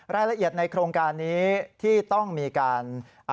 รายละเอียดในโครงการนี้ที่ต้องมีการ